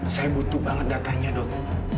saya butuh banget datanya dok